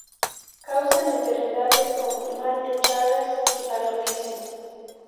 Causan enfermedades como: mal de Chagas y paludismo.